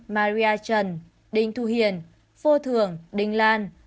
maria trần đinh thu hiền phô thường đinh lan